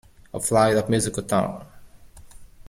A flight of musical notes.